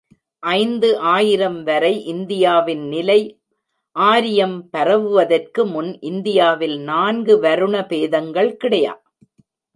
ஐந்து ஆயிரம் வரை இந்தியாவின் நிலை ஆரியம் பரவுவதற்கு முன் இந்தியாவில் நான்கு வருண பேதங்கள் கிடையா.